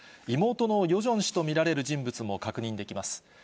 妹のヨジョン氏と見られる人物も確認できます。